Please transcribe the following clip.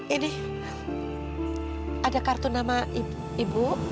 ini ada kartu nama ibu